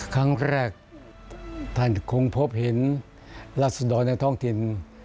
ครั้งแรกท่านคงพบเห็นราศดรในท้องถิ่น